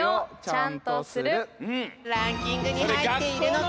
ランキングにはいっているのか？